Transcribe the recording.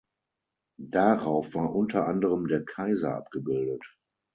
Darauf war unter anderem der Kaiser abgebildet.